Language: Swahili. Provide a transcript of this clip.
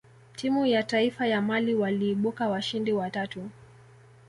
timu ya taifa ya mali waliibuka washindi wa tatu